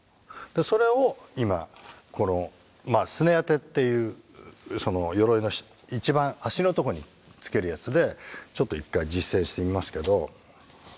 それを今この「脛当」っていう鎧のいちばん足のとこにつけるやつでちょっと一回実践してみますけど。